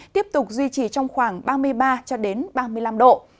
tiếp tục duy trì trong khoảng ba mươi ba ba mươi năm độ